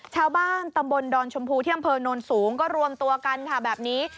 ชาวบ้านตำบลดอนชมพูที่อำเภอโนนสูงก็รวมตัวกันค่ะแบบนี้